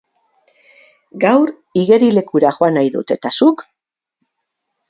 Gaur igerilekura Joan nahi dut? Eta zuk?